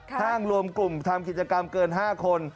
ห้างรวมกลุ่มทำกิจกรรมเกิน๕คน